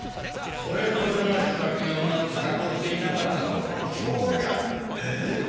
それこそが仕掛けがうまく作動していなかったことの証拠じゃ！え！？